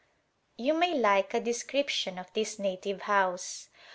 You may like a description of this native house.